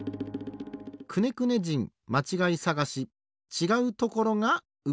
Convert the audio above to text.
「くねくね人まちがいさがし」ちがうところがうごきます。